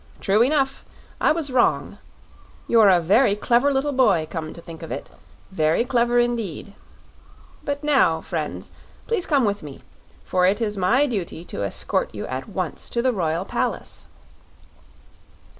True enough. I was wrong. You're a very clever little boy, come to think of it very clever indeed. But now, friends, please come with me, for it is my duty to escort you at once to the royal palace."